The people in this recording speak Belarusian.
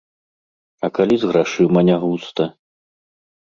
А калі з грашыма нягуста?